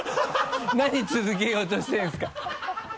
何続けようとしてるんですか？